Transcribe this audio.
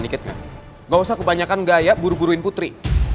nggak usah kebanyakan gaya buru buruin putri